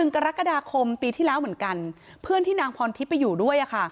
กรกฎาคมปีที่แล้วเหมือนกันเพื่อนที่นางพรทิพย์ไปอยู่ด้วย